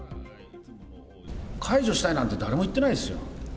解除したいなんて誰も言ってないですよ。